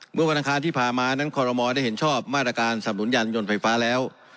เมื่อวันอังคารที่ผ่านมานั้นคอรมอลได้เห็นชอบมาตรการสำนุนยานยนต์ไฟฟ้าแล้ว